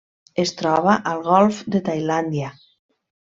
Es troba al golf de Tailàndia.